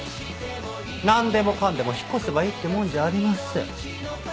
なんでもかんでも引っ越せばいいってもんじゃありません。